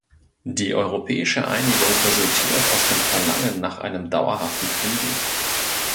Die europäische Einigung resultiert aus dem Verlangen nach einem dauerhaften Frieden.